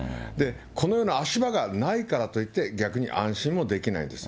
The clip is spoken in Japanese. このような足場がないからといって、逆に安心もできないんです。